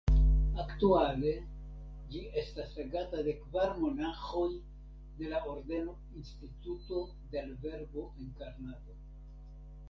Aktuale ĝi estas regata de kvar monaĥoj de la ordeno "Instituto del Verbo Encarnado".